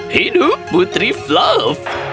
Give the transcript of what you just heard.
hidup putri flav